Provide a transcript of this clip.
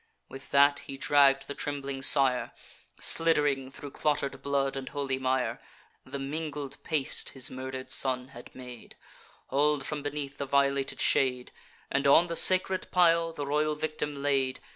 With that he dragg'd the trembling sire, Slidd'ring thro' clotter'd blood and holy mire, (The mingled paste his murder'd son had made,) Haul'd from beneath the violated shade, And on the sacred pile the royal victim laid.